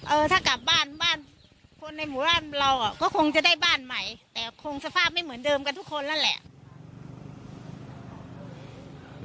เออถ้ากลับบ้านบ้านคนในหมู่บ้านเราก็คงจะได้บ้านใหม่แต่คงสภาพไม่เหมือนเดิมกันทุกคนนั่นแหละ